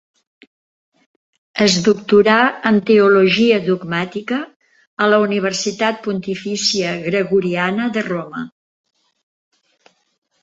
Es doctorà en Teologia Dogmàtica a la Universitat Pontifícia Gregoriana de Roma.